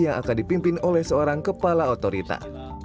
yang akan dipimpin oleh seorang kepala otorita